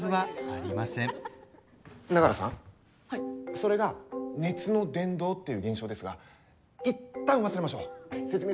それが熱の伝導という現象ですがいったん忘れましょう。